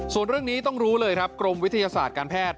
ส่วนเรื่องนี้ต้องรู้เลยครับกรมวิทยาศาสตร์การแพทย์